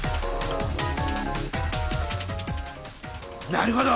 なるほど！